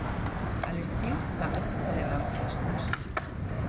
A l'estiu també se celebren festes.